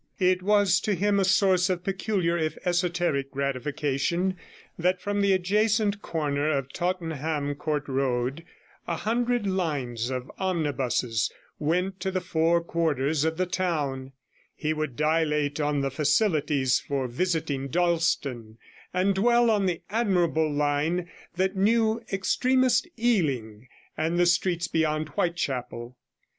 It was to him a source of peculiar, if esoteric, gratification that from the adjacent comer of Tottenham Court Road a hundred lines of omnibuses went to the four quarters of the town; he would dilate on the facilities for visiting Dalston, and dwell on the admirable line that knew extremest Ealing and the streets beyond Whitechapel.